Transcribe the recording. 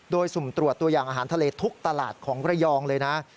โดยสุ่มตรวจตัวอย่างอาหารทะเลทุกตลาดของระยองเลยนะ